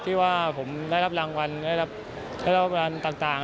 ที่ว่าผมได้รับรางวัลได้รับรางวัลต่าง